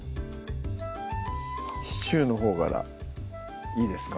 シチューのほうからいいですか？